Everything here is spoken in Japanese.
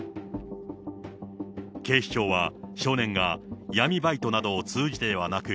警視庁は少年が闇バイトなどを通じてではなく、